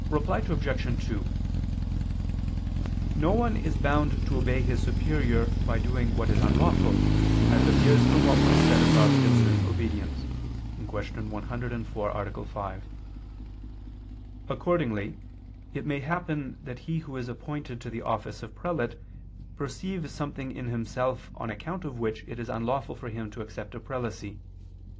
Reply Obj. 2: No one is bound to obey his superior by doing what is unlawful, as appears from what was said above concerning obedience (Q. 104, A. 5). Accordingly it may happen that he who is appointed to the office of prelate perceive something in himself on account of which it is unlawful for him to accept a prelacy.